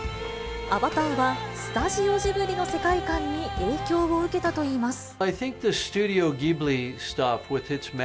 アバターはスタジオジブリの世界観に影響を受けたといいます。